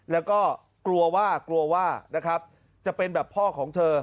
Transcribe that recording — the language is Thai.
แล้วก็กลัวว่าจะเป็นแบบพ่อของเธอ